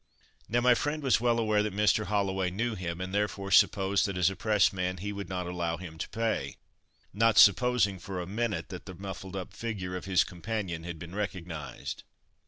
Now my friend was well aware that Mr. Holloway knew him, and therefore supposed that as a press man he would not allow him to pay not supposing for a minute that the muffled up figure of his companion had been recognised.